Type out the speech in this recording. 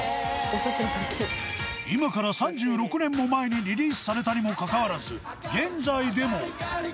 今から３６年も前にリリースされたにもかかわらず現在でも。